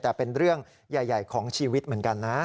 แต่เป็นเรื่องใหญ่ของชีวิตเหมือนกันนะ